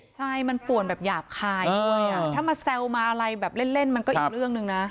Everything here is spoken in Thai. ใช่มันป่วนแบบหยาบคายด้วยถ้ามาแซวมาอะไรแบบเล่นมันก็อีกเรื่องหนึ่งนะ